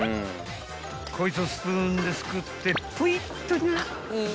［こいつをスプーンですくってポイっとな］